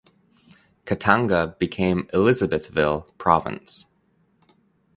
Katanga became Elisabethville Province.